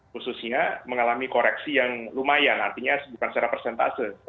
khususnya mengalami koreksi yang lumayan artinya bukan secara persentase